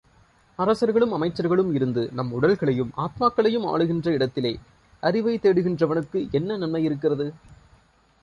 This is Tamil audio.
அரசர்களும் அமைச்சர்களும் இருந்து நம் உடல்களையும் ஆத்மாக்களையும் ஆளுகின்ற இடத்திலே அறிவைத் தேடுகின்றவனுக்கு என்ன நன்மையிருக்கிறது?